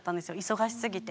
忙しすぎて。